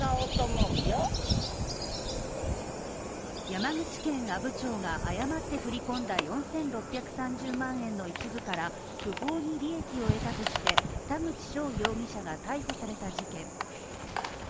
山口県阿武町が誤って振り込んだ４６３０万円の一部から不法に利益を得たとして田口翔容疑者が逮捕された事件。